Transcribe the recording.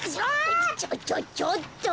ちょちょちょっと！